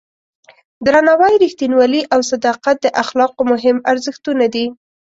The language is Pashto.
درناوی، رښتینولي او صداقت د اخلاقو مهم ارزښتونه دي.